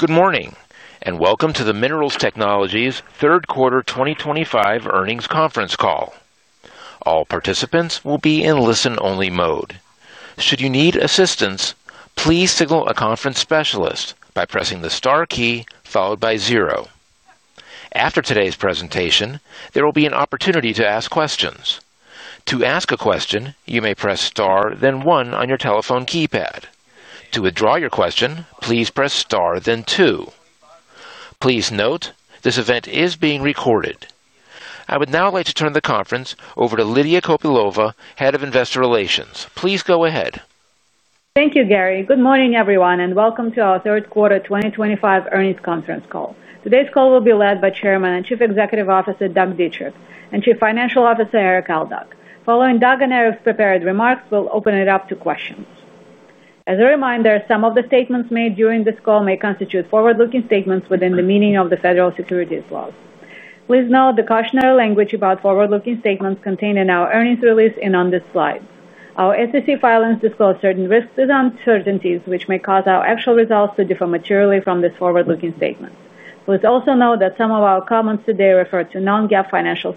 Good morning and welcome to the Minerals Technologies Third Quarter 2025 Earnings Conference Call. All participants will be in listen-only mode. Should you need assistance, please signal a conference specialist by pressing the star key followed by zero. After today's presentation, there will be an opportunity to ask questions. To ask a question, you may press star then one on your telephone keypad. To withdraw your question, please press star then two. Please note, this event is being recorded. I would now like to turn the conference over to Lydia Kopylova, Head of Investor Relations. Please go ahead. Thank you, Gary. Good morning, everyone, and welcome to our Third Quarter 2025 Earnings Conference Call. Today's call will be led by Chairman and Chief Executive Officer Douglas T. Dietrich and Chief Financial Officer Erik Aldag. Following Doug and Erik's prepared remarks, we'll open it up to questions. As a reminder, some of the statements made during this call may constitute forward-looking statements within the meaning of the Federal Securities Laws. Please note the cautionary language about forward-looking statements contained in our earnings release and on this slide. Our SEC filings disclose certain risks and uncertainties which may cause our actual results to differ materially from this forward-looking statement. Please also note that some of our comments today refer to non-GAAP financial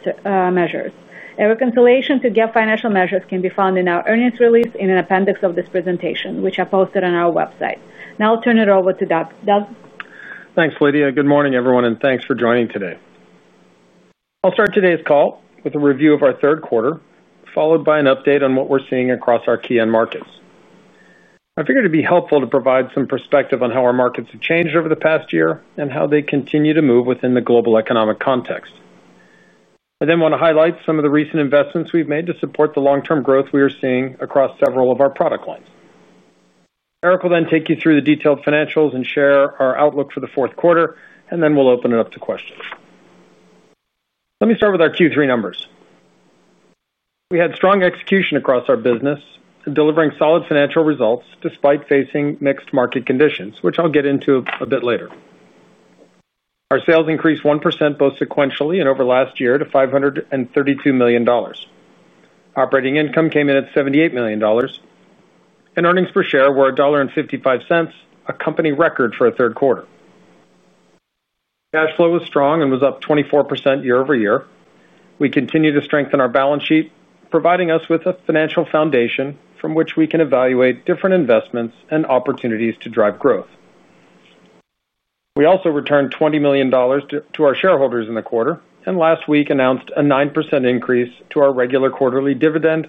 measures. A reconciliation to GAAP financial measures can be found in our earnings release and in an appendix of this presentation, which I posted on our website. Now I'll turn it over to Doug. Doug? Thanks, Lydia. Good morning, everyone, and thanks for joining today. I'll start today's call with a review of our third quarter, followed by an update on what we're seeing across our key markets. I figured it'd be helpful to provide some perspective on how our markets have changed over the past year and how they continue to move within the global economic context. I then want to highlight some of the recent investments we've made to support the long-term growth we are seeing across several of our product lines. Erik will then take you through the detailed financials and share our outlook for the fourth quarter, and then we'll open it up to questions. Let me start with our Q3 numbers. We had strong execution across our business, delivering solid financial results despite facing mixed market conditions, which I'll get into a bit later. Our sales increased 1% both sequentially and over last year to $532 million. Operating income came in at $78 million, and earnings per share were $1.55, a company record for a third quarter. Cash flow was strong and was up 24% year-over-year. We continue to strengthen our balance sheet, providing us with a financial foundation from which we can evaluate different investments and opportunities to drive growth. We also returned $20 million to our shareholders in the quarter, and last week announced a 9% increase to our regular quarterly dividend,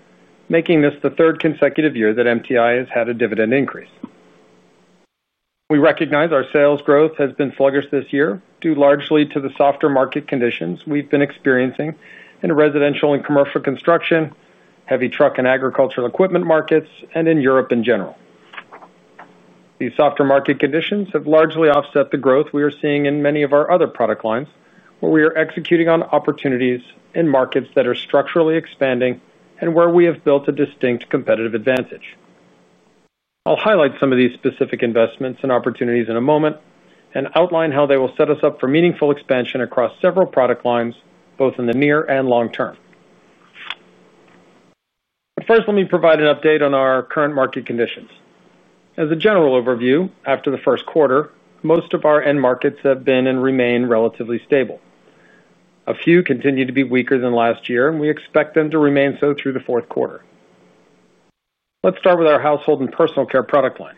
making this the third consecutive year that MTI has had a dividend increase. We recognize our sales growth has been sluggish this year, due largely to the softer market conditions we've been experiencing in residential and commercial construction, heavy truck and agricultural equipment markets, and in Europe in general. These softer market conditions have largely offset the growth we are seeing in many of our other product lines, where we are executing on opportunities in markets that are structurally expanding and where we have built a distinct competitive advantage. I'll highlight some of these specific investments and opportunities in a moment and outline how they will set us up for meaningful expansion across several product lines, both in the near and long term. First, let me provide an update on our current market conditions. As a general overview, after the first quarter, most of our end markets have been and remain relatively stable. A few continue to be weaker than last year, and we expect them to remain so through the fourth quarter. Let's start with our household and personal care product line.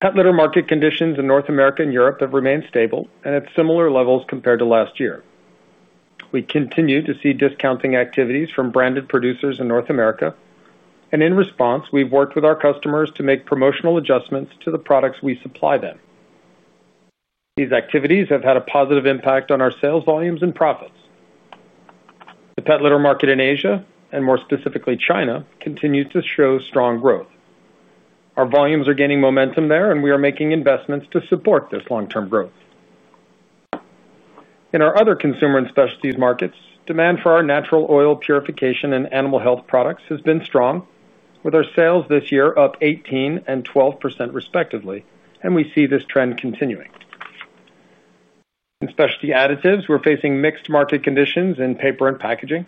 Pet litter market conditions in North America and Europe have remained stable and at similar levels compared to last year. We continue to see discounting activities from branded producers in North America, and in response, we've worked with our customers to make promotional adjustments to the products we supply them. These activities have had a positive impact on our sales volumes and profits. The pet litter market in Asia, and more specifically China, continues to show strong growth. Our volumes are gaining momentum there, and we are making investments to support this long-term growth. In our other consumer and specialties markets, demand for our natural oil purification and animal health products has been strong, with our sales this year up 18% and 12% respectively, and we see this trend continuing. In specialty additives, we're facing mixed market conditions in paper and packaging.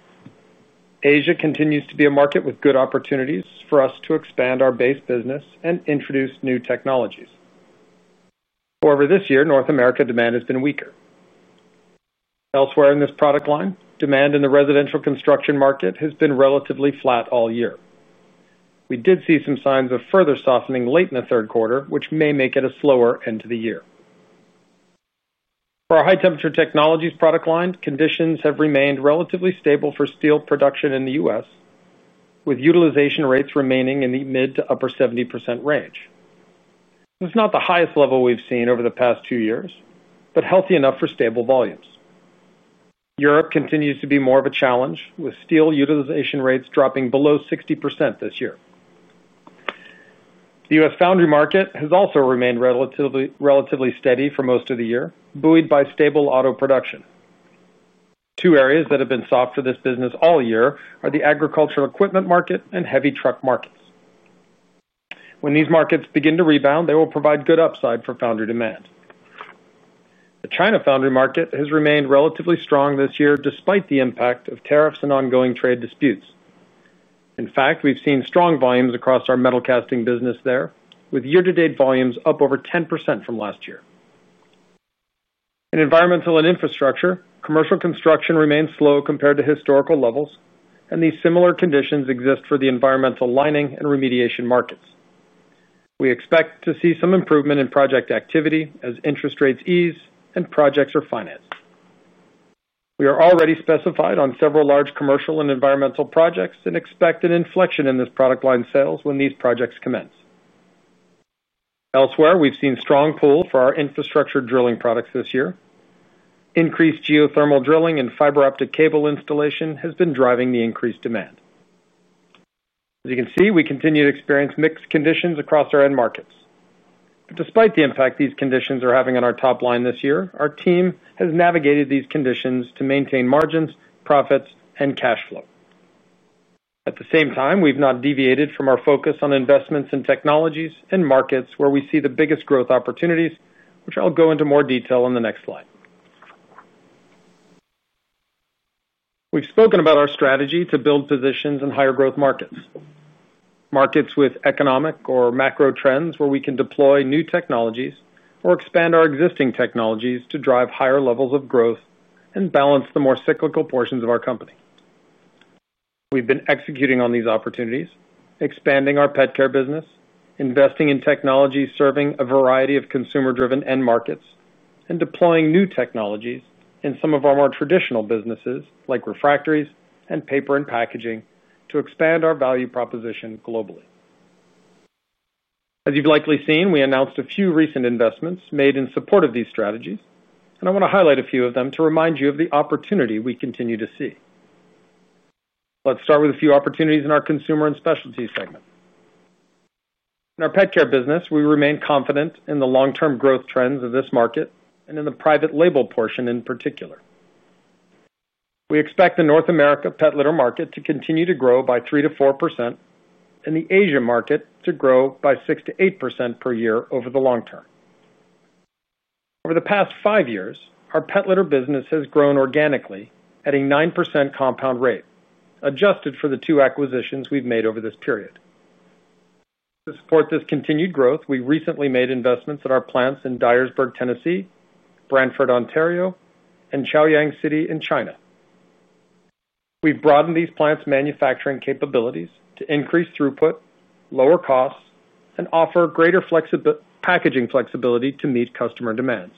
Asia continues to be a market with good opportunities for us to expand our base business and introduce new technologies. However, this year, North America demand has been weaker. Elsewhere in this product line, demand in the residential construction market has been relatively flat all year. We did see some signs of further softening late in the third quarter, which may make it a slower end to the year. For our high-temperature technologies product line, conditions have remained relatively stable for steel production in the U.S., with utilization rates remaining in the mid to upper 70% range. It's not the highest level we've seen over the past two years, but healthy enough for stable volumes. Europe continues to be more of a challenge, with steel utilization rates dropping below 60% this year. The U.S. foundry market has also remained relatively steady for most of the year, buoyed by stable auto production. Two areas that have been soft for this business all year are the agricultural equipment market and heavy truck markets. When these markets begin to rebound, they will provide good upside for foundry demand. The China foundry market has remained relatively strong this year, despite the impact of tariffs and ongoing trade disputes. In fact, we've seen strong volumes across our metalcasting business there, with year-to-date volumes up over 10% from last year. In environmental and infrastructure, commercial construction remains slow compared to historical levels, and these similar conditions exist for the environmental lining and remediation markets. We expect to see some improvement in project activity as interest rates ease and projects are financed. We are already specified on several large commercial and environmental projects and expect an inflection in this product line sales when these projects commence. Elsewhere, we've seen a strong pull for our infrastructure drilling products this year. Increased geothermal drilling and fiber optic cable installation has been driving the increased demand. As you can see, we continue to experience mixed conditions across our end markets. Despite the impact these conditions are having on our top line this year, our team has navigated these conditions to maintain margins, profits, and cash flow. At the same time, we've not deviated from our focus on investments in technologies and markets where we see the biggest growth opportunities, which I'll go into more detail on the next slide. We've spoken about our strategy to build positions in higher growth markets, markets with economic or macro trends where we can deploy new technologies or expand our existing technologies to drive higher levels of growth and balance the more cyclical portions of our company. We've been executing on these opportunities, expanding our pet care business, investing in technologies serving a variety of consumer-driven end markets, and deploying new technologies in some of our more traditional businesses like refractories and paper and packaging to expand our value proposition globally. As you've likely seen, we announced a few recent investments made in support of these strategies, and I want to highlight a few of them to remind you of the opportunity we continue to see. Let's start with a few opportunities in our consumer and specialty segment. In our pet care business, we remain confident in the long-term growth trends of this market and in the private label portion in particular. We expect the North America pet litter market to continue to grow by 3%-4% and the Asia market to grow by 6%-8% per year over the long term. Over the past five years, our pet litter business has grown organically at a 9% compound rate, adjusted for the two acquisitions we've made over this period. To support this continued growth, we recently made investments at our plants in Dyersburg, Tennessee, Brantford, Ontario, and Chaoyang City in China. We've broadened these plants' manufacturing capabilities to increase throughput, lower costs, and offer greater packaging flexibility to meet customer demands.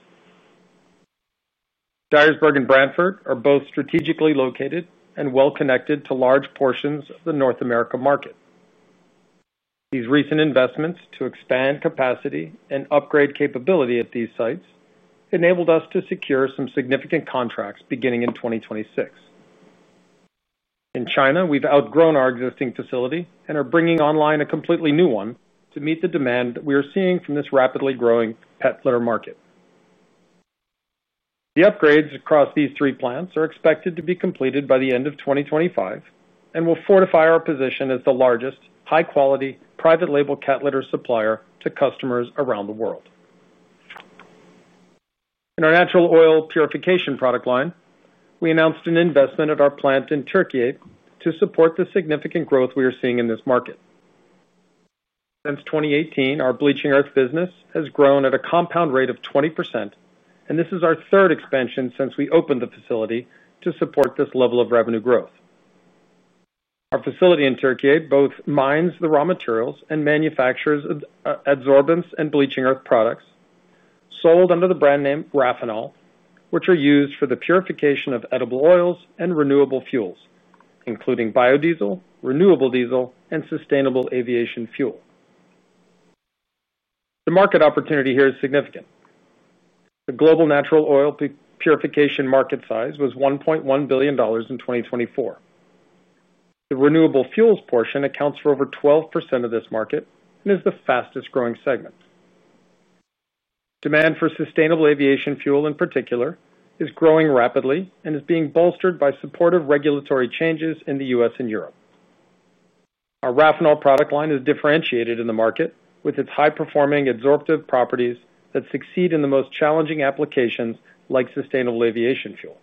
Dyersburg and Brantford are both strategically located and well connected to large portions of the North America market. These recent investments to expand capacity and upgrade capability at these sites enabled us to secure some significant contracts beginning in 2026. In China, we've outgrown our existing facility and are bringing online a completely new one to meet the demand we are seeing from this rapidly growing pet litter market. The upgrades across these three plants are expected to be completed by the end of 2025 and will fortify our position as the largest high-quality private label cat litter supplier to customers around the world. In our natural oil purification product line, we announced an investment at our plant in Turkey to support the significant growth we are seeing in this market. Since 2018, our bleaching earth business has grown at a compound rate of 20%, and this is our third expansion since we opened the facility to support this level of revenue growth. Our facility in Turkey both mines the raw materials and manufactures adsorbents and bleaching earth products sold under the brand name Raffinal, which are used for the purification of edible oils and renewable fuels, including biodiesel, renewable diesel, and sustainable aviation fuel. The market opportunity here is significant. The global natural oil purification market size was $1.1 billion in 2024. The renewable fuels portion accounts for over 12% of this market and is the fastest growing segment. Demand for sustainable aviation fuel in particular is growing rapidly and is being bolstered by supportive regulatory changes in the U.S. and Europe. Our Raffinal product line is differentiated in the market with its high-performing adsorptive properties that succeed in the most challenging applications like sustainable aviation fuel.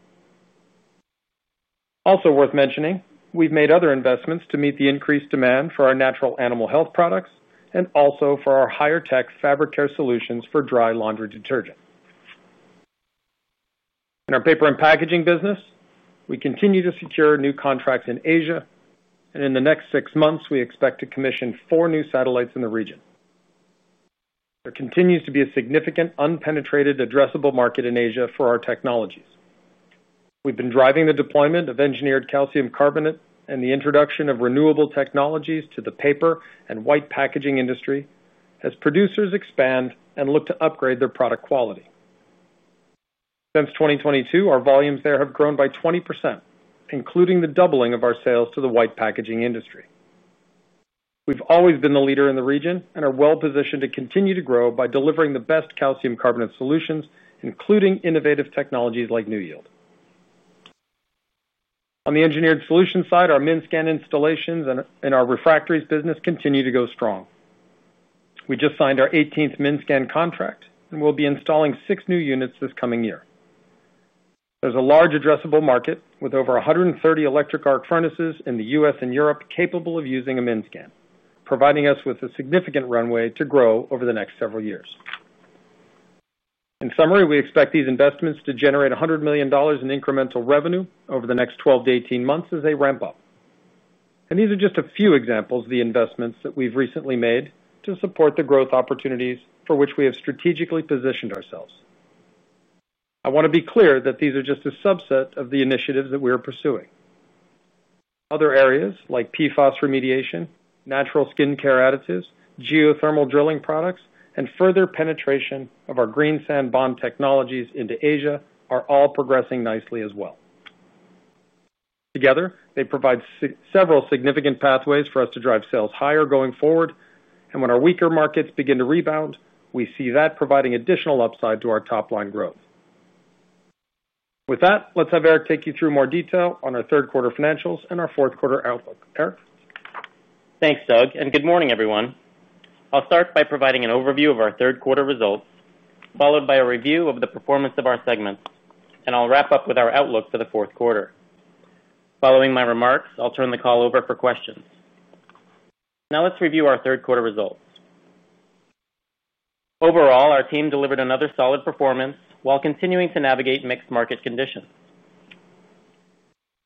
Also worth mentioning, we've made other investments to meet the increased demand for our natural animal health products and also for our higher-tech fabric care solutions for dry laundry detergent. In our paper and packaging business, we continue to secure new contracts in Asia, and in the next six months, we expect to commission four new satellites in the region. There continues to be a significant unpenetrated addressable market in Asia for our technologies. We've been driving the deployment of engineered calcium carbonate and the introduction of renewable technologies to the paper and white packaging industry as producers expand and look to upgrade their product quality. Since 2022, our volumes there have grown by 20%, including the doubling of our sales to the white packaging industry. We've always been the leader in the region and are well positioned to continue to grow by delivering the best calcium carbonate solutions, including innovative technologies like NuYield. On the engineered solution side, our MinSCAN installations and our refractories business continue to go strong. We just signed our 18th MinSCAN contract and will be installing six new units this coming year. There's a large addressable market with over 130 electric arc furnaces in the U.S. and Europe capable of using a MINScan, providing us with a significant runway to grow over the next several years. In summary, we expect these investments to generate $100 million in incremental revenue over the next 12-18 months as they ramp up. These are just a few examples of the investments that we've recently made to support the growth opportunities for which we have strategically positioned ourselves. I want to be clear that these are just a subset of the initiatives that we are pursuing. Other areas like PFAS remediation, natural skin care additives, geothermal drilling products, and further penetration of our GreenSandBond technologies into Asia are all progressing nicely as well. Together, they provide several significant pathways for us to drive sales higher going forward, and when our weaker markets begin to rebound, we see that providing additional upside to our top line growth. With that, let's have Erik take you through more detail on our third quarter financials and our fourth quarter outlook. Erik? Thanks, Doug, and good morning, everyone. I'll start by providing an overview of our third quarter results, followed by a review of the performance of our segments, and I'll wrap up with our outlook for the fourth quarter. Following my remarks, I'll turn the call over for questions. Now let's review our third quarter results. Overall, our team delivered another solid performance while continuing to navigate mixed market conditions.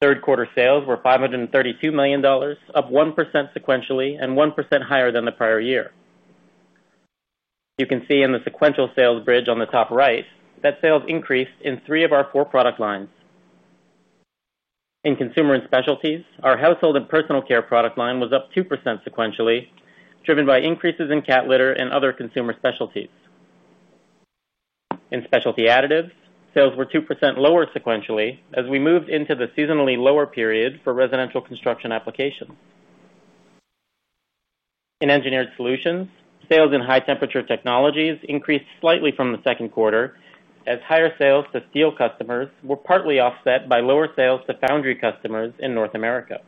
Third quarter sales were $532 million, up 1% sequentially and 1% higher than the prior year. You can see in the sequential sales bridge on the top right that sales increased in three of our four product lines. In consumer and specialties, our household and personal care product line was up 2% sequentially, driven by increases in cat litter and other consumer specialties. In specialty additives, sales were 2% lower sequentially as we moved into the seasonally lower period for residential construction applications. In engineered solutions, sales in high-temperature technologies increased slightly from the second quarter as higher sales to steel customers were partly offset by lower sales to foundry customers in North America.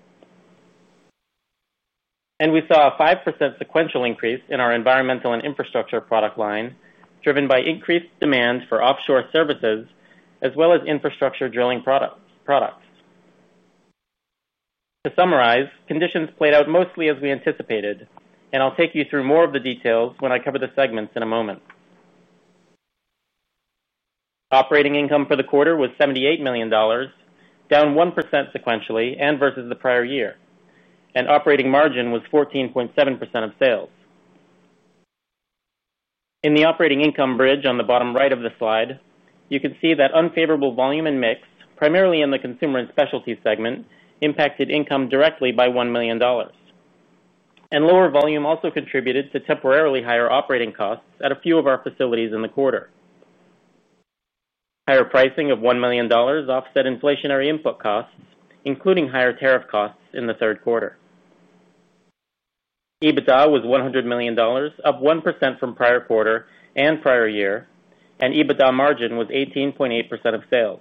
We saw a 5% sequential increase in our environmental and infrastructure product line, driven by increased demand for offshore services as well as infrastructure drilling products. To summarize, conditions played out mostly as we anticipated, and I'll take you through more of the details when I cover the segments in a moment. Operating income for the quarter was $78 million, down 1% sequentially and versus the prior year, and operating margin was 14.7% of sales. In the operating income bridge on the bottom right of the slide, you can see that unfavorable volume and mix, primarily in the consumer and specialty segment, impacted income directly by $1 million, and lower volume also contributed to temporarily higher operating costs at a few of our facilities in the quarter. Higher pricing of $1 million offset inflationary input costs, including higher tariff costs in the third quarter. EBITDA was $100 million, up 1% from prior quarter and prior year, and EBITDA margin was 18.8% of sales.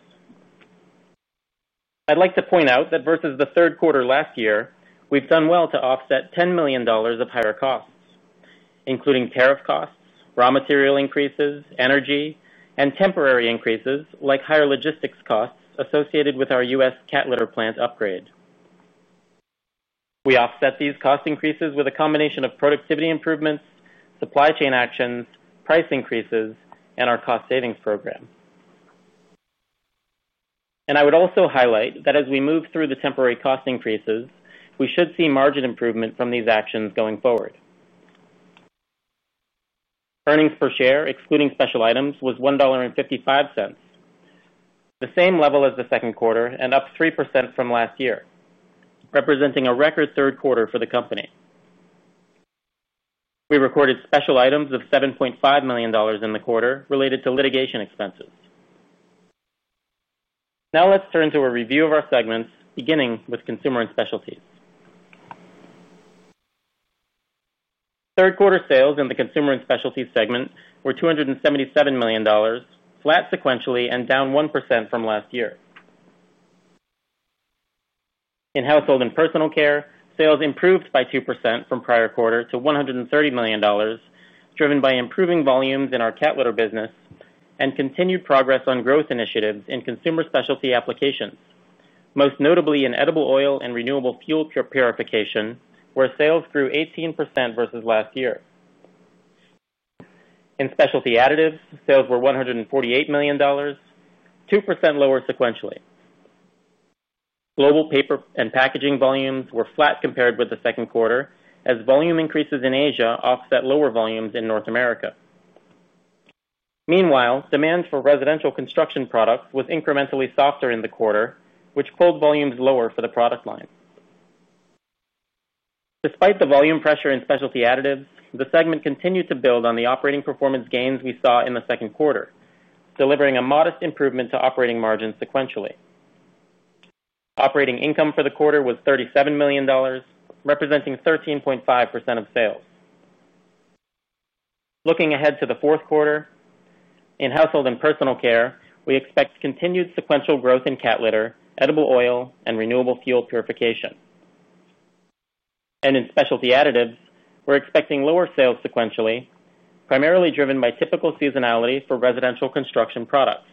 I'd like to point out that versus the third quarter last year, we've done well to offset $10 million of higher costs, including tariff costs, raw material increases, energy, and temporary increases like higher logistics costs associated with our U.S. cat litter plant upgrade. We offset these cost increases with a combination of productivity improvements, supply chain actions, price increases, and our cost savings program. I would also highlight that as we move through the temporary cost increases, we should see margin improvement from these actions going forward. Earnings per share, excluding special items, was $1.55, the same level as the second quarter and up 3% from last year, representing a record third quarter for the company. We recorded special items of $7.5 million in the quarter related to litigation expenses. Now let's turn to a review of our segments, beginning with Consumer and Specialties. Third quarter sales in the Consumer and Specialties segment were $277 million, flat sequentially and down 1% from last year. In household and personal care, sales improved by 2% from prior quarter to $130 million, driven by improving volumes in our cat litter business and continued progress on growth initiatives in consumer specialty applications, most notably in edible oil and renewable fuel purification, where sales grew 18% versus last year. In specialty additives, sales were $148 million, 2% lower sequentially. Global paper and packaging volumes were flat compared with the second quarter, as volume increases in Asia offset lower volumes in North America. Meanwhile, demand for residential construction products was incrementally softer in the quarter, which pulled volumes lower for the product line. Despite the volume pressure in specialty additives, the segment continued to build on the operating performance gains we saw in the second quarter, delivering a modest improvement to operating margins sequentially. Operating income for the quarter was $37 million, representing 13.5% of sales. Looking ahead to the fourth quarter, in household and personal care, we expect continued sequential growth in cat litter, edible oil, and renewable fuel purification. In specialty additives, we're expecting lower sales sequentially, primarily driven by typical seasonality for residential construction products.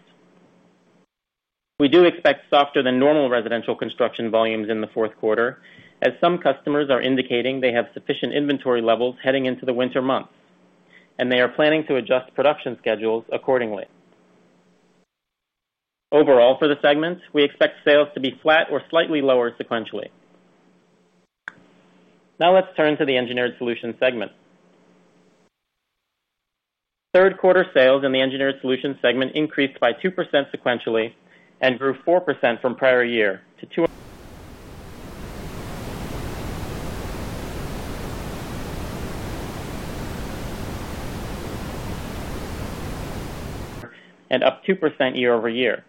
We do expect softer than normal residential construction volumes in the fourth quarter, as some customers are indicating they have sufficient inventory levels heading into the winter months, and they are planning to adjust production schedules accordingly. Overall, for the segments, we expect sales to be flat or slightly lower sequentially. Now let's turn to the Engineered Solutions segment. Third quarter sales in the engineered solutions segment increased by 2% sequentially and grew 4% from prior year to and up 2% year-over-year.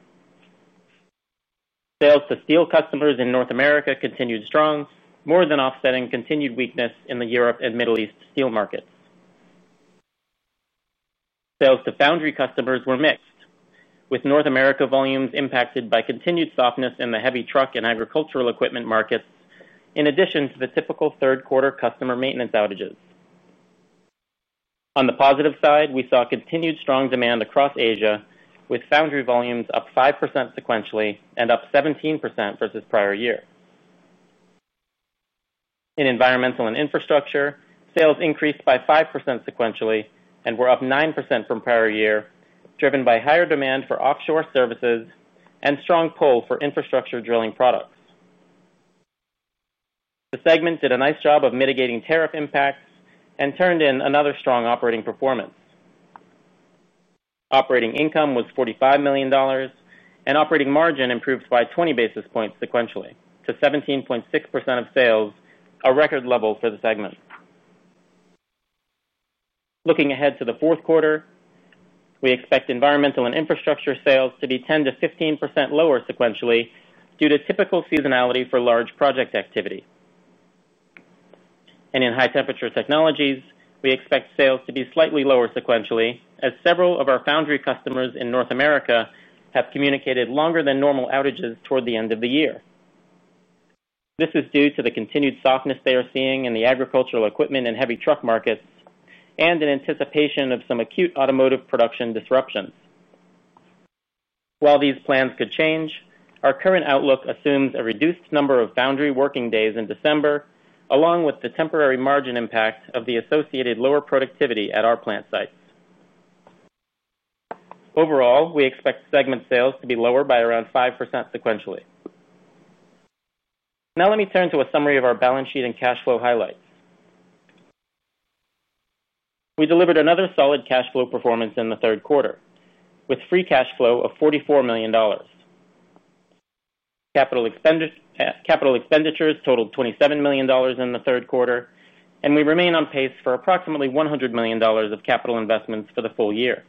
Sales to steel customers in North America continued strong, more than offsetting continued weakness in the Europe and Middle East steel markets. Sales to foundry customers were mixed, with North America volumes impacted by continued softness in the heavy truck and agricultural equipment markets, in addition to the typical third quarter customer maintenance outages. On the positive side, we saw continued strong demand across Asia, with foundry volumes up 5% sequentially and up 17% versus prior year. In environmental and infrastructure, sales increased by 5% sequentially and were up 9% from prior year, driven by higher demand for offshore services and strong pull for infrastructure drilling products. The segment did a nice job of mitigating tariff impacts and turned in another strong operating performance. Operating income was $45 million, and operating margin improved by 20 basis points sequentially to 17.6% of sales, a record level for the segment. Looking ahead to the fourth quarter, we expect environmental and infrastructure sales to be 10% to 15% lower sequentially due to typical seasonality for large project activity. In high-temperature technologies, we expect sales to be slightly lower sequentially, as several of our foundry customers in North America have communicated longer than normal outages toward the end of the year. This is due to the continued softness they are seeing in the agricultural equipment and heavy truck markets and in anticipation of some acute automotive production disruptions. While these plans could change, our current outlook assumes a reduced number of foundry working days in December, along with the temporary margin impact of the associated lower productivity at our plant sites. Overall, we expect segment sales to be lower by around 5% sequentially. Now let me turn to a summary of our balance sheet and cash flow highlights. We delivered another solid cash flow performance in the third quarter, with free cash flow of $44 million. Capital expenditures totaled $27 million in the third quarter, and we remain on pace for approximately $100 million of capital investments for the full year.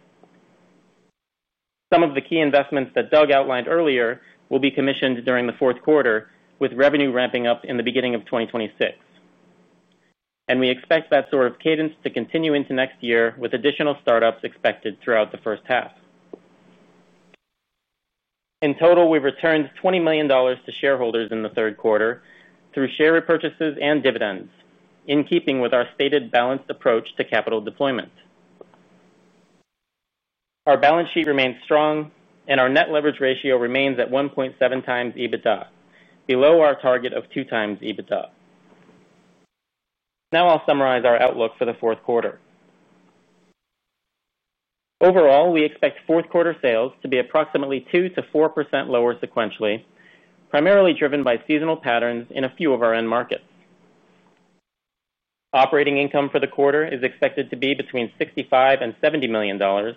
Some of the key investments that Doug outlined earlier will be commissioned during the fourth quarter, with revenue ramping up in the beginning of 2026. We expect that sort of cadence to continue into next year, with additional startups expected throughout the first half. In total, we've returned $20 million to shareholders in the third quarter through share repurchases and dividends, in keeping with our stated balanced approach to capital deployment. Our balance sheet remains strong, and our net leverage ratio remains at 1.7 times EBITDA, below our target of 2 times EBITDA. Now I'll summarize our outlook for the fourth quarter. Overall, we expect fourth quarter sales to be approximately 2%-4% lower sequentially, primarily driven by seasonal patterns in a few of our end markets. Operating income for the quarter is expected to be between $65 million and $70 million,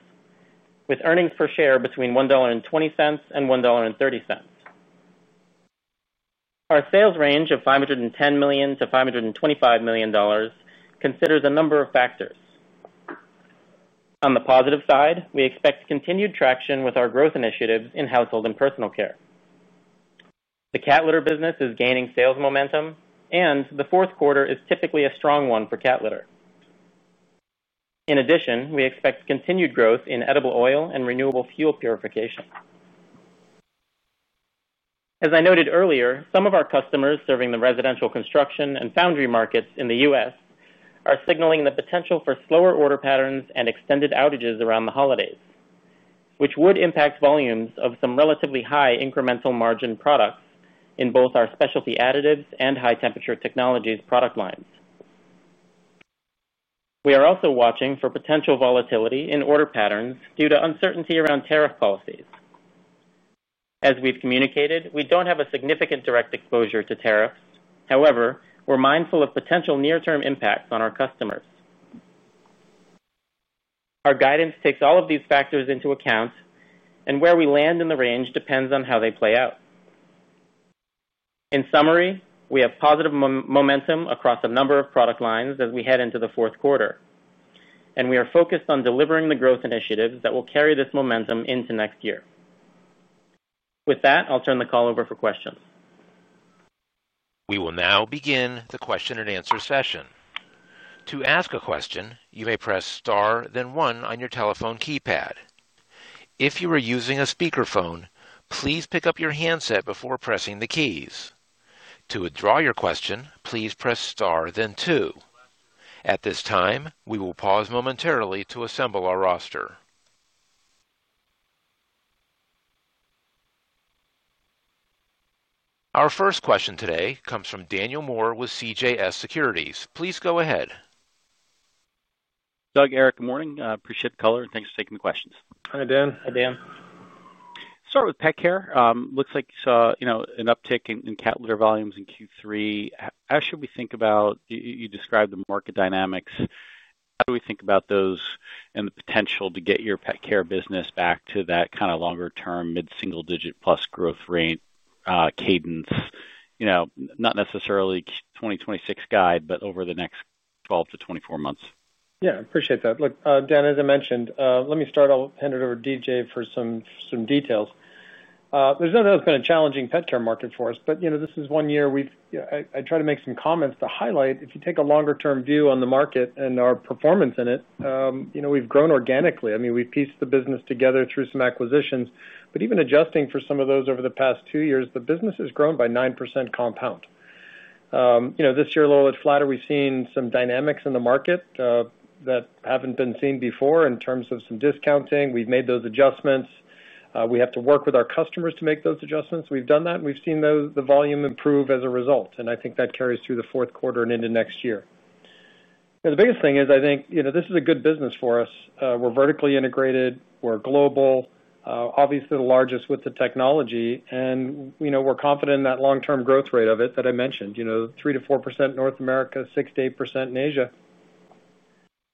with earnings per share between $1.20 and $1.30. Our sales range of $510 million-$525 million considers a number of factors. On the positive side, we expect continued traction with our growth initiatives in household and personal care. The cat litter business is gaining sales momentum, and the fourth quarter is typically a strong one for cat litter. In addition, we expect continued growth in edible oil and renewable fuel purification. As I noted earlier, some of our customers serving the residential construction and foundry markets in the U.S. are signaling the potential for slower order patterns and extended outages around the holidays, which would impact volumes of some relatively high incremental margin products in both our specialty additives and high-temperature technologies product lines. We are also watching for potential volatility in order patterns due to uncertainty around tariff policies. As we've communicated, we don't have a significant direct exposure to tariffs, however, we're mindful of potential near-term impacts on our customers. Our guidance takes all of these factors into account, and where we land in the range depends on how they play out. In summary, we have positive momentum across a number of product lines as we head into the fourth quarter, and we are focused on delivering the growth initiatives that will carry this momentum into next year. With that, I'll turn the call over for questions. We will now begin the question and answer session. To ask a question, you may press star, then one on your telephone keypad. If you are using a speakerphone, please pick up your handset before pressing the keys. To withdraw your question, please press star, then two. At this time, we will pause momentarily to assemble our roster. Our first question today comes from Daniel Moore with CJS Securities. Please go ahead. Doug, Erik, good morning. Appreciate the call, and thanks for taking the questions. Hi, Dan. Hi, Dan. Let's start with pet care. Looks like you saw an uptick in cat litter volumes in Q3. How should we think about, you described the market dynamics, how do we think about those and the potential to get your pet care business back to that kind of longer-term, mid-single-digit plus growth rate cadence? You know, not necessarily 2026 guide, but over the next 12-24 months. Yeah, I appreciate that. Look, Dan, as I mentioned, let me start. I'll hand it over to D.J. for some details. There's nothing that's been a challenging pet care market for us, but you know this is one year I've, I try to make some comments to highlight. If you take a longer-term view on the market and our performance in it, you know we've grown organically. I mean, we've pieced the business together through some acquisitions, but even adjusting for some of those over the past two years, the business has grown by 9% compound. You know, this year, a little bit flatter, we've seen some dynamics in the market that haven't been seen before in terms of some discounting. We've made those adjustments. We have to work with our customers to make those adjustments. We've done that, and we've seen the volume improve as a result, and I think that carries through the fourth quarter and into next year. The biggest thing is, I think, you know, this is a good business for us. We're vertically integrated. We're global, obviously the largest with the technology, and you know, we're confident in that long-term growth rate of it that I mentioned, you know, 3%-4% in North America, 6%-8% in Asia.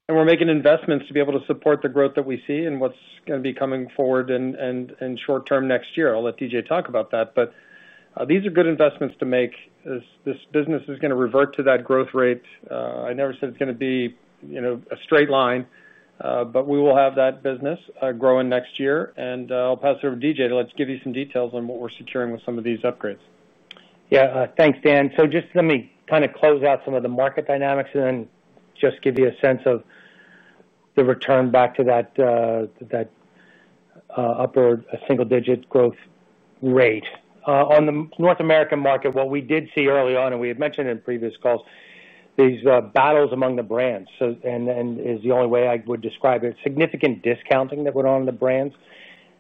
We're making investments to be able to support the growth that we see and what's going to be coming forward in short term next year. I'll let D.J. talk about that, but these are good investments to make. This business is going to revert to that growth rate. I never said it's going to be, you know, a straight line, but we will have that business growing next year, and I'll pass it over to D.J. to let's give you some details on what we're securing with some of these upgrades. Yeah, thanks, Dan. Let me kind of close out some of the market dynamics and then give you a sense of the return back to that upward single-digit growth rate. On the North American market, what we did see early on, and we had mentioned in previous calls, these battles among the brands, and it is the only way I would describe it, significant discounting that went on in the brands.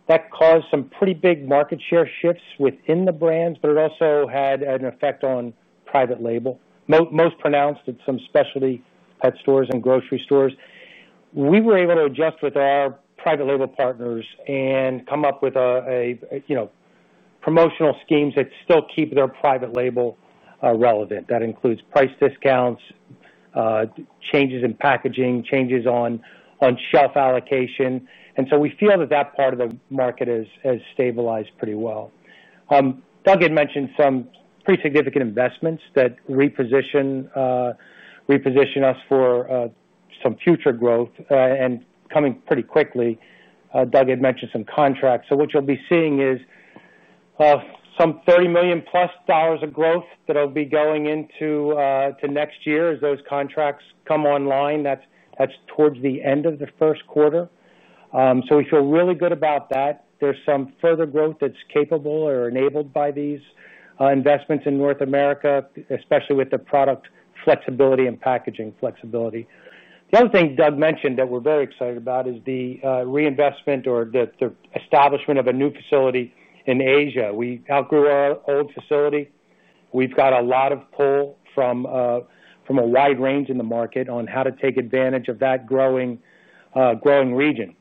That caused some pretty big market share shifts within the brands, but it also had an effect on private label, most pronounced at some specialty pet stores and grocery stores. We were able to adjust with our private label partners and come up with promotional schemes that still keep their private label relevant. That includes price discounts, changes in packaging, changes on shelf allocation, and we feel that part of the market has stabilized pretty well. Doug had mentioned some pretty significant investments that reposition us for some future growth, and coming pretty quickly, Doug had mentioned some contracts. What you'll be seeing is some $30 million plus of growth that'll be going into next year as those contracts come online. That's towards the end of the first quarter. We feel really good about that. There's some further growth that's capable or enabled by these investments in North America, especially with the product flexibility and packaging flexibility. The other thing Doug mentioned that we're very excited about is the reinvestment or the establishment of a new facility in Asia. We outgrew our old facility. We've got a lot of pull from a wide range in the market on how to take advantage of that growing region.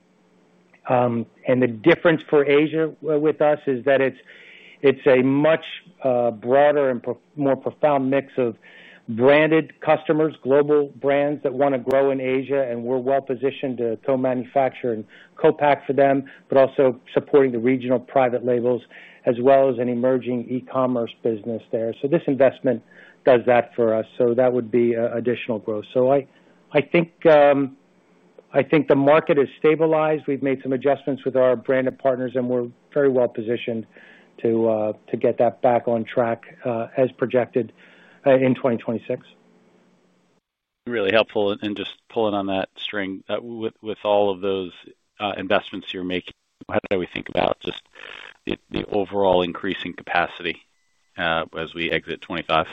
The difference for Asia with us is that it's a much broader and more profound mix of branded customers, global brands that want to grow in Asia, and we're well positioned to co-manufacture and co-pack for them, but also supporting the regional private labels as well as an emerging e-commerce business there. This investment does that for us. That would be additional growth. I think the market is stabilized. We've made some adjustments with our branded partners, and we're very well positioned to get that back on track as projected in 2026. Really helpful, and just pulling on that string, with all of those investments you're making, how do we think about just the overall increase in capacity as we exit 2025?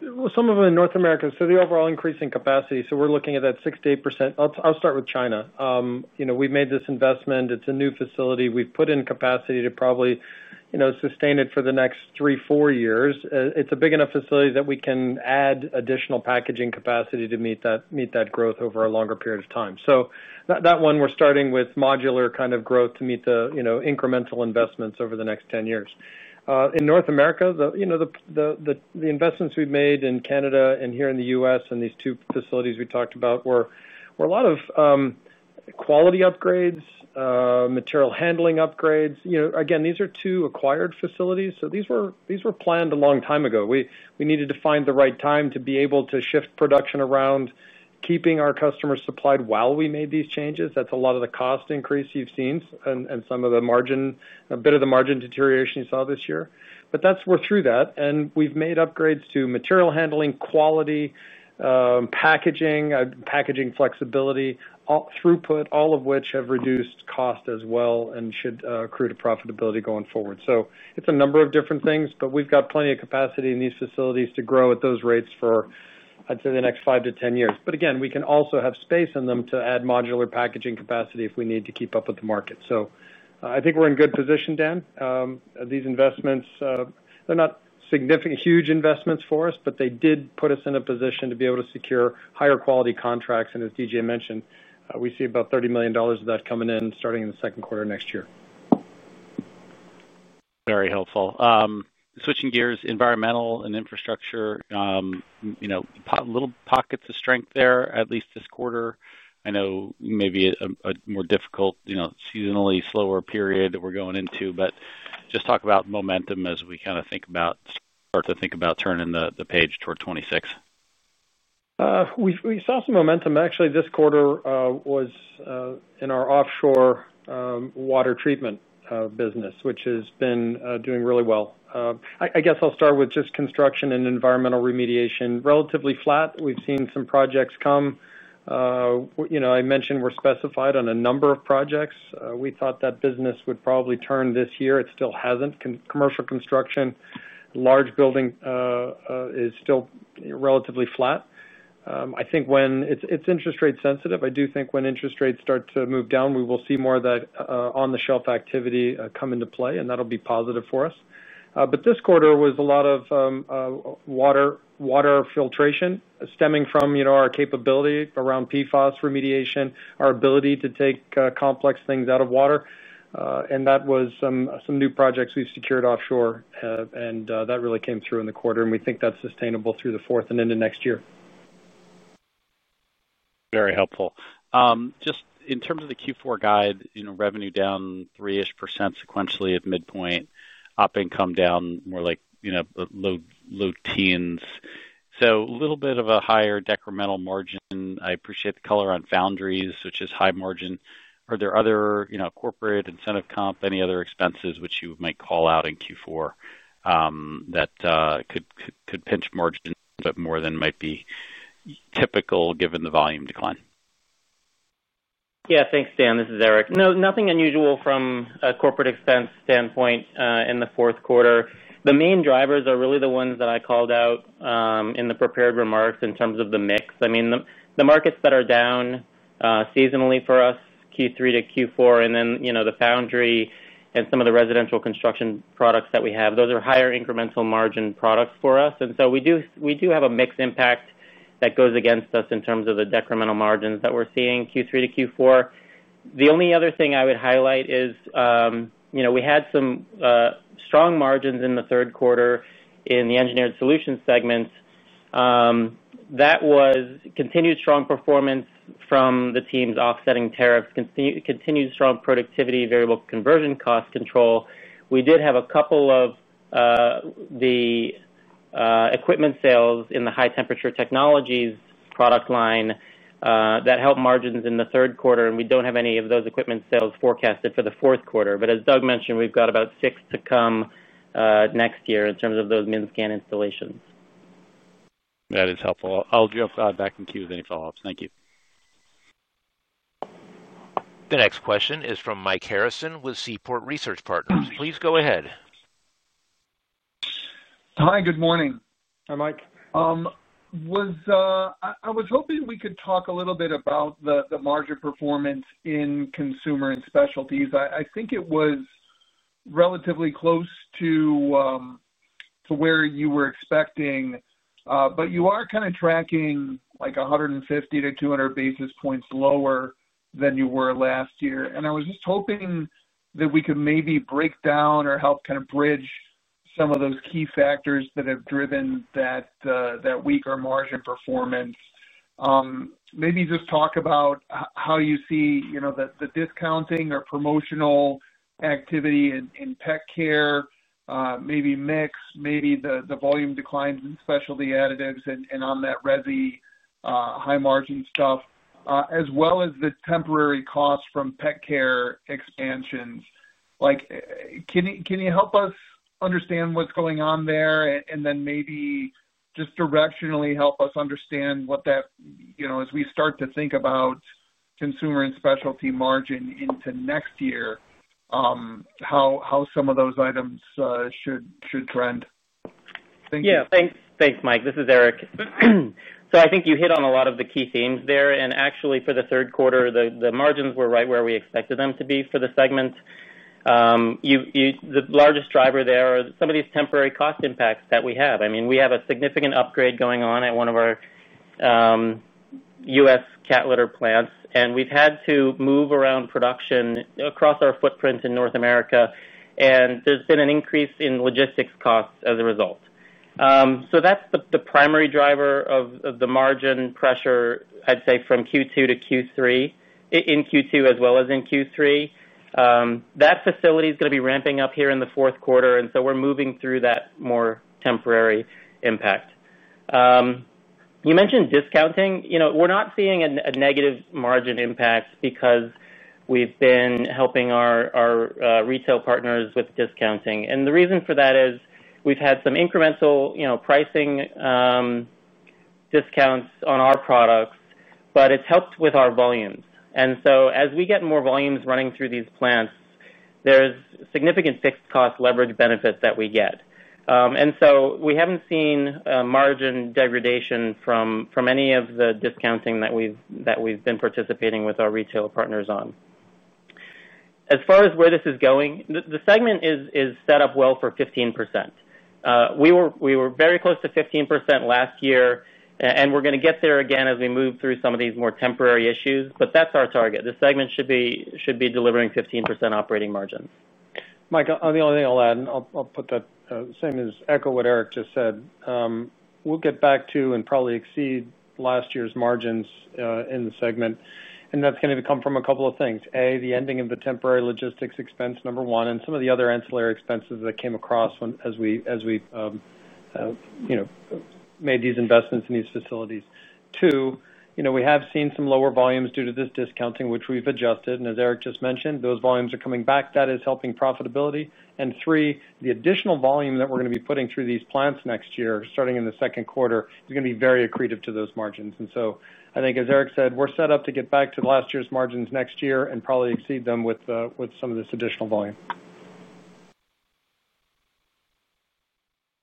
Some of them in North America, so the overall increase in capacity, so we're looking at that 6%-8%. I'll start with China. You know, we've made this investment. It's a new facility. We've put in capacity to probably, you know, sustain it for the next three, four years. It's a big enough facility that we can add additional packaging capacity to meet that growth over a longer period of time. That one, we're starting with modular kind of growth to meet the, you know, incremental investments over the next 10 years. In North America, the investments we've made in Canada and here in the U.S. and these two facilities we talked about were a lot of quality upgrades, material handling upgrades. These are two acquired facilities, so these were planned a long time ago. We needed to find the right time to be able to shift production around, keeping our customers supplied while we made these changes. That's a lot of the cost increase you've seen and a bit of the margin deterioration you saw this year. We're through that, and we've made upgrades to material handling, quality, packaging, packaging flexibility, throughput, all of which have reduced cost as well and should accrue to profitability going forward. It's a number of different things, but we've got plenty of capacity in these facilities to grow at those rates for, I'd say, the next five to 10 years. We can also have space in them to add modular packaging capacity if we need to keep up with the market. I think we're in good position, Dan. These investments, they're not significant huge investments for us, but they did put us in a position to be able to secure higher quality contracts. As D.J. mentioned, we see about $30 million of that coming in starting in the second quarter next year. Very helpful. Switching gears, environmental and infrastructure, you know, little pockets of strength there, at least this quarter. I know maybe a more difficult, seasonally slower period that we're going into, but just talk about momentum as we kind of think about, start to think about turning the page toward 2026. We saw some momentum. Actually, this quarter was in our offshore water treatment business, which has been doing really well. I guess I'll start with just construction and environmental remediation. Relatively flat, we've seen some projects come. I mentioned we're specified on a number of projects. We thought that business would probably turn this year. It still hasn't. Commercial construction, large building is still relatively flat. I think when it's interest rate sensitive, I do think when interest rates start to move down, we will see more of that on-the-shelf activity come into play, and that'll be positive for us. This quarter was a lot of water filtration stemming from our capability around PFAS remediation, our ability to take complex things out of water, and that was some new projects we've secured offshore, and that really came through in the quarter, and we think that's sustainable through the fourth and into next year. Very helpful. Just in terms of the Q4 guide, you know, revenue down 3%ish sequentially at midpoint, operating income down more like, you know, low teens. A little bit of a higher decremental margin. I appreciate the color on foundries, which is high margin. Are there other, you know, corporate incentive comp, any other expenses which you might call out in Q4 that could pinch margin a bit more than might be typical given the volume decline? Yeah, thanks, Dan. This is Erik. Nothing unusual from a corporate expense standpoint in the fourth quarter. The main drivers are really the ones that I called out in the prepared remarks in terms of the mix. The markets that are down seasonally for us, Q3 to Q4, and then the foundry and some of the residential construction products that we have, those are higher incremental margin products for us. We do have a mix impact that goes against us in terms of the decremental margins that we're seeing Q3 to Q4. The only other thing I would highlight is we had some strong margins in the third quarter in the engineered solutions segment. That was continued strong performance from the teams offsetting tariffs, continued strong productivity, variable conversion cost control. We did have a couple of the equipment sales in the high-temperature technologies product line that helped margins in the third quarter, and we don't have any of those equipment sales forecasted for the fourth quarter. As Doug mentioned, we've got about six to come next year in terms of those MINScan installations. That is helpful. I'll jump back in queue with any follow-ups. Thank you. The next question is from Mike Harrison with Seaport Research Partners. Please go ahead. Hi, good morning. Hi, Mike. I was hoping we could talk a little bit about the margin performance in Consumer and Specialties. I think it was relatively close to where you were expecting, but you are kind of tracking like 150 basis points-200 basis points lower than you were last year. I was just hoping that we could maybe break down or help kind of bridge some of those key factors that have driven that weaker margin performance. Maybe just talk about how you see the discounting or promotional activity in pet care, maybe mix, maybe the volume declines in specialty additives and on that RESI high margin stuff, as well as the temporary costs from pet care expansions. Can you help us understand what's going on there and then maybe just directionally help us understand what that, as we start to think about Consumer and Specialty margin into next year, how some of those items should trend? Yeah, thanks, Mike. This is Erik. I think you hit on a lot of the key themes there. Actually, for the third quarter, the margins were right where we expected them to be for the segment. The largest driver there are some of these temporary cost impacts that we have. We have a significant upgrade going on at one of our U.S. cat litter plants, and we've had to move around production across our footprint in North America, and there's been an increase in logistics costs as a result. That's the primary driver of the margin pressure, I'd say, from Q2 to Q3, in Q2 as well as in Q3. That facility is going to be ramping up here in the fourth quarter, and we're moving through that more temporary impact. You mentioned discounting. We're not seeing a negative margin impact because we've been helping our retail partners with discounting. The reason for that is we've had some incremental pricing discounts on our products, but it's helped with our volumes. As we get more volumes running through these plants, there's significant fixed cost leverage benefits that we get. We haven't seen margin degradation from any of the discounting that we've been participating with our retail partners on. As far as where this is going, the segment is set up well for 15%. We were very close to 15% last year, and we're going to get there again as we move through some of these more temporary issues, but that's our target. The segment should be delivering 15% operating margin. Mike, the only thing I'll add, and I'll put that same, is echo what Erik just said. We'll get back to and probably exceed last year's margins in the segment, and that's going to come from a couple of things. A, the ending of the temporary logistics expense, number one, and some of the other ancillary expenses that came across as we made these investments in these facilities. Two, we have seen some lower volumes due to this discounting, which we've adjusted, and as Erik just mentioned, those volumes are coming back. That is helping profitability. Three, the additional volume that we're going to be putting through these plants next year, starting in the second quarter, is going to be very accretive to those margins. I think, as Erik said, we're set up to get back to last year's margins next year and probably exceed them with some of this additional volume.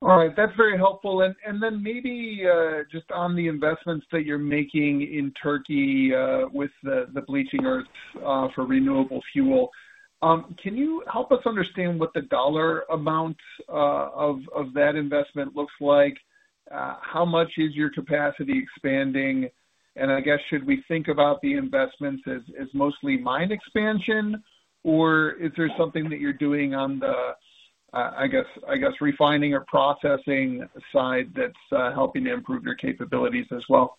All right, that's very helpful. Maybe just on the investments that you're making in Turkey with the bleaching earth for renewable fuel, can you help us understand what the dollar amount of that investment looks like? How much is your capacity expanding? And I guess should we think about the investments as mostly mine expansion, or is there something that you're doing on the refining or processing side that's helping to improve your capabilities as well?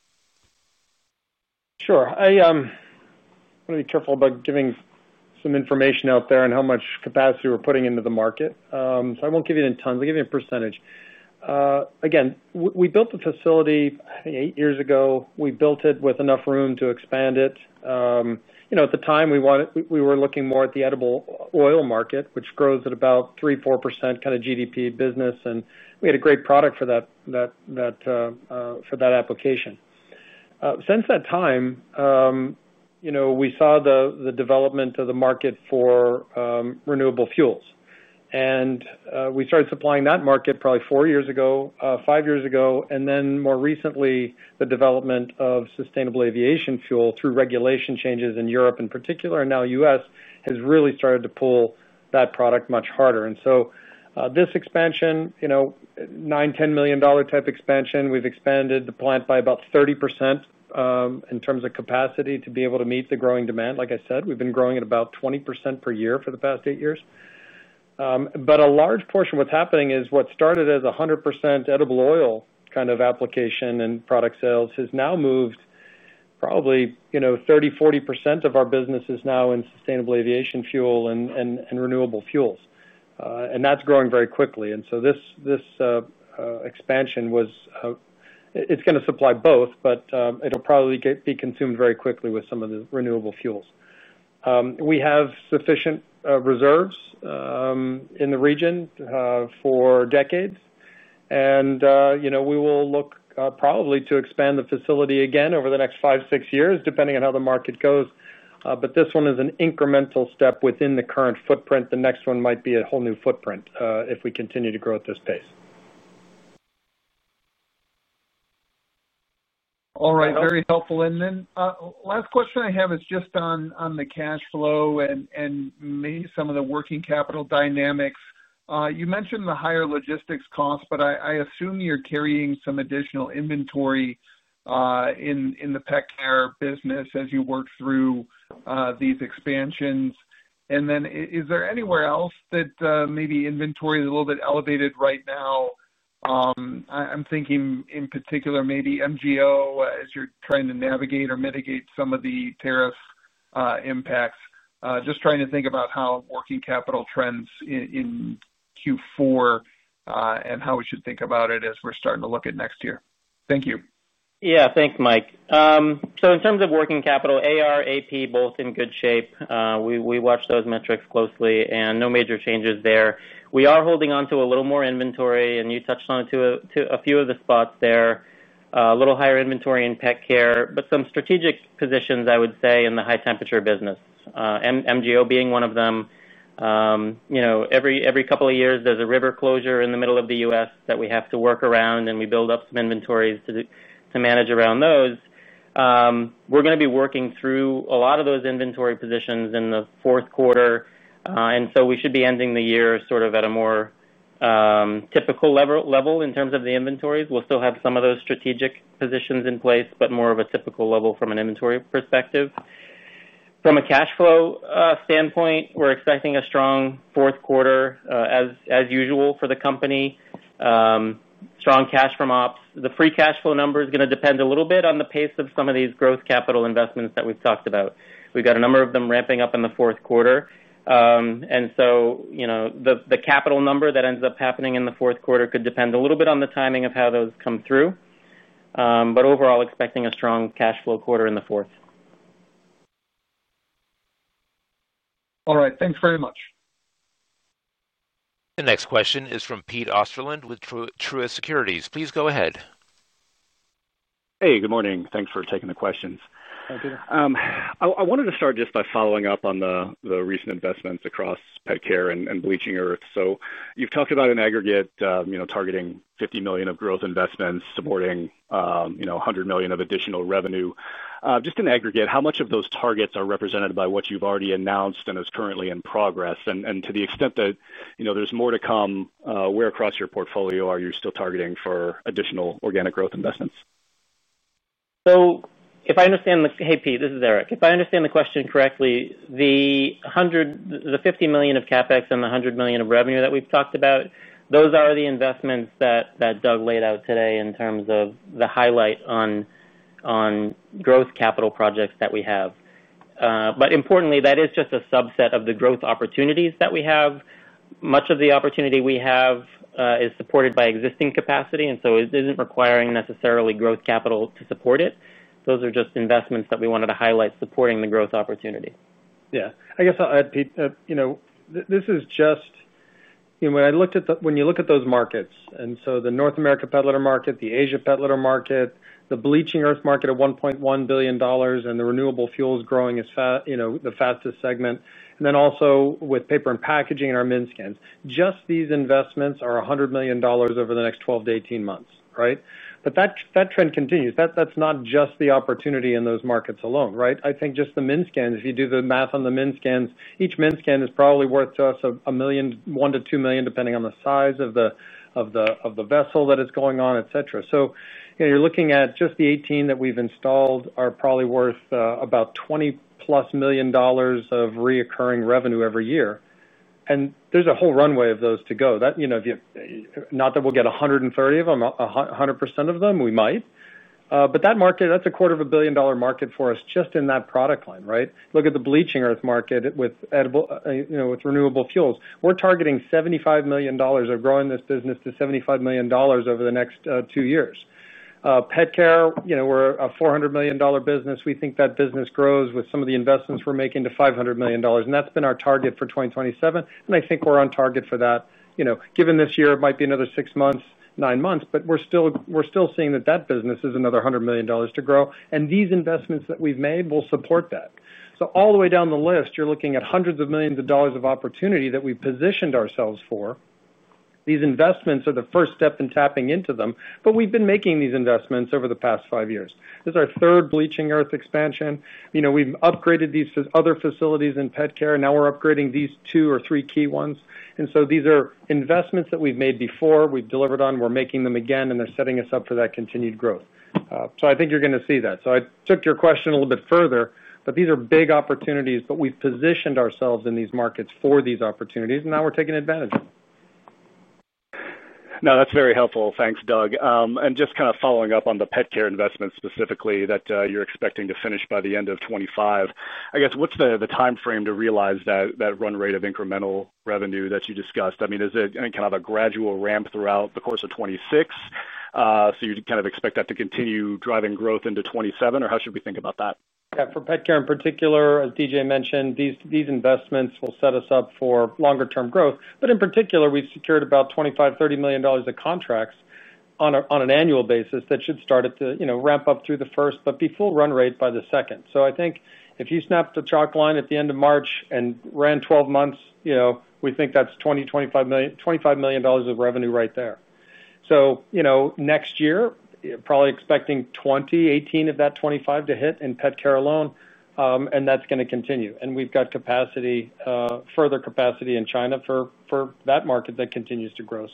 Sure. I want to be careful about giving some information out there on how much capacity we're putting into the market. I won't give you the tons. I'll give you a percentage. Again, we built the facility eight years ago. We built it with enough room to expand it. At the time, we were looking more at the edible oil market, which grows at about 3%-4% kind of GDP business, and we had a great product for that application. Since that time, we saw the development of the market for renewable fuels, and we started supplying that market probably four years ago, five years ago, and then more recently, the development of sustainable aviation fuel through regulation changes in Europe in particular, and now the U.S. has really started to pull that product much harder. This expansion, $9 million-$10 million type expansion, we've expanded the plant by about 30% in terms of capacity to be able to meet the growing demand. Like I said, we've been growing at about 20% per year for the past eight years. A large portion of what's happening is what started as a 100% edible oil kind of application and product sales has now moved probably 30%-40% of our business is now in sustainable aviation fuel and renewable fuels, and that's growing very quickly. This expansion was, it's going to supply both, but it'll probably be consumed very quickly with some of the renewable fuels. We have sufficient reserves in the region for decades, and we will look probably to expand the facility again over the next five, six years, depending on how the market goes. This one is an incremental step within the current footprint. The next one might be a whole new footprint if we continue to grow at this pace. All right, very helpful. The last question I have is just on the cash flow and maybe some of the working capital dynamics. You mentioned the higher logistics costs, but I assume you're carrying some additional inventory in the pet care business as you work through these expansions. Is there anywhere else that maybe inventory is a little bit elevated right now? I'm thinking in particular maybe MGO as you're trying to navigate or mitigate some of the tariff impacts. Just trying to think about how working capital trends in Q4 and how we should think about it as we're starting to look at next year. Thank you. Yeah, thanks, Mike. In terms of working capital, AR, AP, both in good shape. We watch those metrics closely, and no major changes there. We are holding onto a little more inventory, and you touched on a few of the spots there, a little higher inventory in pet care, but some strategic positions I would say in the high-temperature business, MGO being one of them. Every couple of years there's a river closure in the middle of the U.S. that we have to work around, and we build up some inventories to manage around those. We're going to be working through a lot of those inventory positions in the fourth quarter, and we should be ending the year at a more typical level in terms of the inventories. We'll still have some of those strategic positions in place, but more of a typical level from an inventory perspective. From a cash flow standpoint, we're expecting a strong fourth quarter as usual for the company, strong cash from ops. The free cash flow number is going to depend a little bit on the pace of some of these growth capital investments that we've talked about. We've got a number of them ramping up in the fourth quarter, and the capital number that ends up happening in the fourth quarter could depend a little bit on the timing of how those come through, but overall expecting a strong cash flow quarter in the fourth. All right, thanks very much. The next question is from Pete Osterlund with Truist Securities. Please go ahead. Hey, good morning. Thanks for taking the questions. Hi, Peter. I wanted to start just by following up on the recent investments across pet care and bleaching earth. You've talked about in aggregate, you know, targeting $50 million of growth investments, supporting, you know, $100 million of additional revenue. Just in aggregate, how much of those targets are represented by what you've already announced and is currently in progress? To the extent that, you know, there's more to come, where across your portfolio are you still targeting for additional organic growth investments? If I understand the question correctly, hey Pete, this is Erik. The $50 million of CapEx and the $100 million of revenue that we've talked about, those are the investments that Doug laid out today in terms of the highlight on growth capital projects that we have. Importantly, that is just a subset of the growth opportunities that we have. Much of the opportunity we have is supported by existing capacity, and so it isn't requiring necessarily growth capital to support it. Those are just investments that we wanted to highlight supporting the growth opportunity. Yeah, I guess I'll add, Pete, this is just, when I looked at the, when you look at those markets, the North America pet litter market, the Asia pet litter market, the bleaching earth market at $1.1 billion, and the renewable fuels growing as fast, the fastest segment, and also with paper and packaging in our MiniSCANs, just these investments are $100 million over the next 12-18 months, right? That trend continues. That's not just the opportunity in those markets alone, right? I think just the MiniSCANs, if you do the math on the MiniSCANs, each MiniSCANs is probably worth to us $1 million, $1 million-$2 million, depending on the size of the vessel that is going on, etc. You're looking at just the 18 that we've installed are probably worth about $20 million plus of recurring revenue every year. There's a whole runway of those to go. Not that we'll get 130 of them, 100% of them, we might. That market, that's a quarter of a billion dollar market for us just in that product line, right? Look at the bleaching earth market with renewable fuels. We're targeting $75 million or growing this business to $75 million over the next two years. Pet care, we're a $400 million business. We think that business grows with some of the investments we're making to $500 million, and that's been our target for 2027. I think we're on target for that. Given this year, it might be another six months, nine months, but we're still seeing that that business is another $100 million to grow, and these investments that we've made will support that. All the way down the list, you're looking at hundreds of millions of dollars of opportunity that we positioned ourselves for. These investments are the first step in tapping into them, but we've been making these investments over the past five years. This is our third bleaching earth expansion. We've upgraded these other facilities in pet care, and now we're upgrading these two or three key ones. These are investments that we've made before, we've delivered on, we're making them again, and they're setting us up for that continued growth. I think you're going to see that. I took your question a little bit further, but these are big opportunities, we've positioned ourselves in these markets for these opportunities, and now we're taking advantage of them. No, that's very helpful. Thanks, Doug. Just kind of following up on the pet care investments specifically that you're expecting to finish by the end of 2025, I guess what's the timeframe to realize that run rate of incremental revenue that you discussed? I mean, is it kind of a gradual ramp throughout the course of 2026? You kind of expect that to continue driving growth into 2027, or how should we think about that? Yeah, for pet care in particular, as D.J. mentioned, these investments will set us up for longer-term growth. In particular, we've secured about $25 million, $30 million of contracts on an annual basis that should start to ramp up through the first, but be full run rate by the second. I think if you snap the chalk line at the end of March and ran 12 months, we think that's $20 million, $25 million of revenue right there. Next year, probably expecting 2018 of that 25 to hit in pet care alone, and that's going to continue. We've got further capacity in China for that market that continues to grow.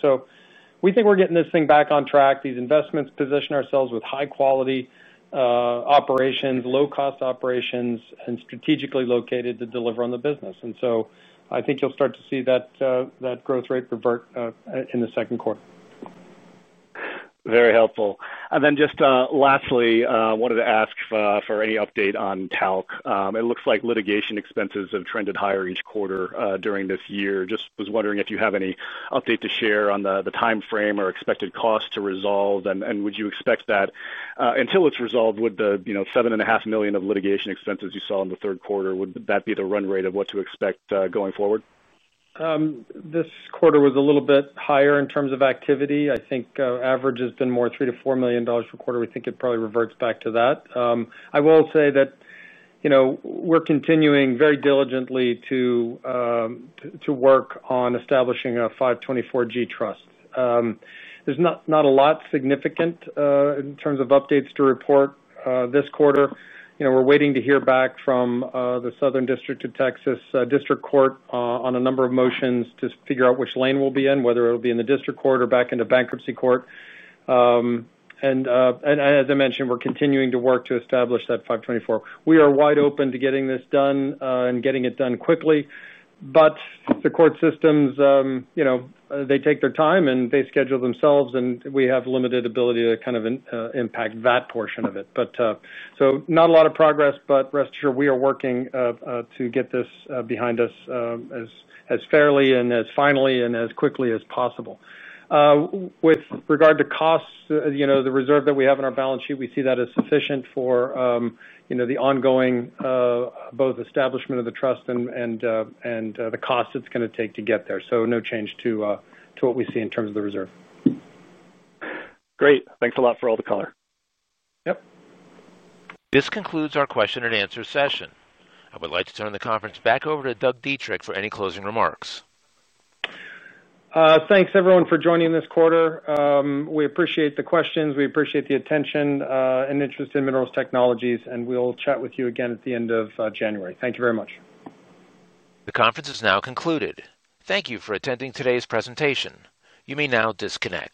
We think we're getting this thing back on track. These investments position ourselves with high quality operations, low cost operations, and strategically located to deliver on the business. I think you'll start to see that growth rate revert in the second quarter. Very helpful. Lastly, I wanted to ask for any update on talc. It looks like litigation expenses have trended higher each quarter during this year. I was wondering if you have any update to share on the timeframe or expected cost to resolve, and would you expect that until it's resolved, the $7.5 million of litigation expenses you saw in the third quarter would be the run rate of what to expect going forward? This quarter was a little bit higher in terms of activity. I think average has been more $3million-$4 million per quarter. We think it probably reverts back to that. I will say that we're continuing very diligently to work on establishing a 524G trust. There's not a lot significant in terms of updates to report this quarter. We're waiting to hear back from the Southern District of Texas District Court on a number of motions to figure out which lane we'll be in, whether it'll be in the District Court or back into bankruptcy court. As I mentioned, we're continuing to work to establish that 524. We are wide open to getting this done and getting it done quickly, but the court systems, you know, they take their time and they schedule themselves, and we have limited ability to kind of impact that portion of it. But not a lot of progress, but rest assured we are working to get this behind us as fairly and as finally and as quickly as possible. With regard to costs, the reserve that we have in our balance sheet, we see that as sufficient for the ongoing both establishment of the trust and the cost it's going to take to get there. No change to what we see in terms of the reserve. Great. Thanks a lot for all the color. Yep. This concludes our question and answer session. I would like to turn the conference back over to Douglas T. Dietrich for any closing remarks. Thanks, everyone, for joining this quarter. We appreciate the questions. We appreciate the attention and interest in Minerals Technologies, and we'll chat with you again at the end of January. Thank you very much. The conference is now concluded. Thank you for attending today's presentation. You may now disconnect.